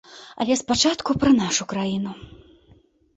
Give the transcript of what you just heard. Але спачатку пра нашу краіну.